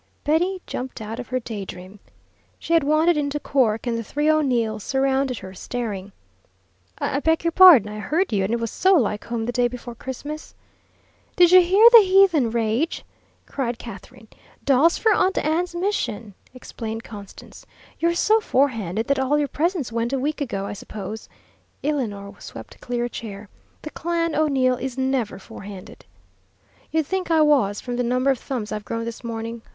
Betty jumped out of her day dream. She had wandered into "Cork" and the three O'Neills surrounded her, staring. "I beg your pardon I heard you and it was so like home the day before Christmas " "Did you hear the heathen rage?" cried Katherine. "Dolls for Aunt Anne's mission," explained Constance. "You're so forehanded that all your presents went a week ago, I suppose," Eleanor swept clear a chair. "The clan O'Neill is never forehanded." "You'd think I was from the number of thumbs I've grown this morning.